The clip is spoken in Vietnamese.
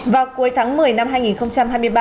vào cuối tháng một mươi năm hai nghìn hai mươi ba